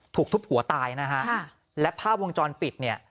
ถูกทุบหัวตายนะฮะและภาพวงจรปิดเนี่ย